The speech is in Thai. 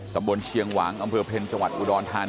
ตำบลเชียงหวังอำเภอเพ็ญจังหวัดอุดรธานี